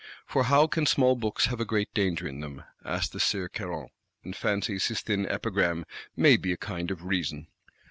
For how can small books have a great danger in them? asks the Sieur Caron; and fancies his thin epigram may be a kind of reason.